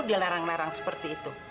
dia larang larang seperti itu